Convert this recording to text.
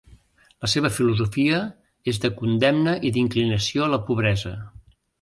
La seva filosofia és de condemna i d'inclinació a la pobresa.